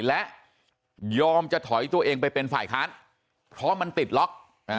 และยอมจะถอยตัวเองไปเป็นฝ่ายค้านเพราะมันติดล็อก